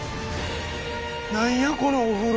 何やこのお風呂。